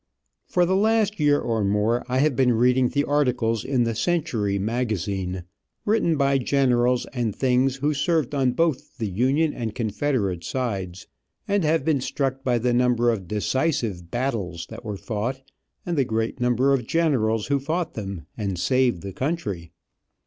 For the last year or more I have been reading the articles in the Century magazine, written by generals and things who served on both the Union and Confederate sides, and have been struck by the number of "decisive battles" that were fought, and the great number of generals who fought them and saved the country.